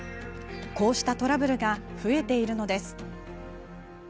こうしたトラブルが増えているのです。